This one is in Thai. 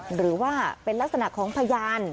หรือว่าเป็นลักษณะของพยาน